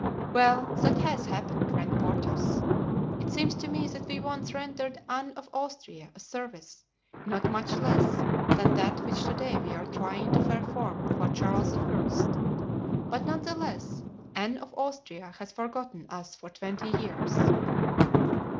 "Well, that has happened, friend Porthos. It seems to me that we once rendered Anne of Austria a service not much less than that which to day we are trying to perform for Charles I.; but, none the less, Anne of Austria has forgotten us for twenty years."